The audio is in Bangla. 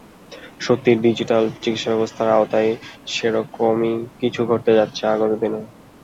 সত্যিই, ডিজিটাল চিকিৎসাব্যবস্থার আওতায় সে রকমই কিছু ঘটতে যাচ্ছে আগত দিনে।